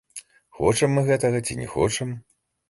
Хочам мы гэтага ці не хочам.